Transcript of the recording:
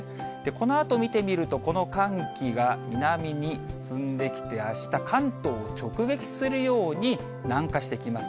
このあと見てみると、この寒気が南に進んできて、あした、関東を直撃するように南下してきます。